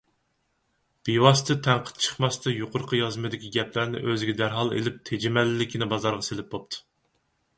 بىۋاسىتە تەنقىد چىقماستا يۇقىرىقى يازمىدىكى گەپلەرنى ئۆزىگە دەرھال ئېلىپ تېجىمەللىكىنى بازارغا سېلىپ بوپتۇ.